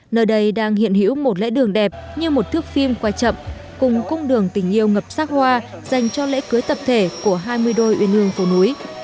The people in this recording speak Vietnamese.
nơi đây đang hiện hữu một lễ đường đẹp như một thước phim quay chậm cùng cung đường tình yêu ngập sắc hoa dành cho lễ cưới tập thể của hai mươi đôi uyên hương phố núi